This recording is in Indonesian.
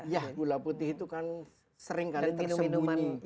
ya gula putih itu kan sering kali tersembunyi